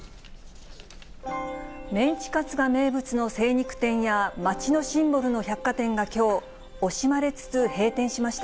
メンチカツが名物の精肉店や、町のシンボルの百貨店がきょう、惜しまれつつ閉店しました。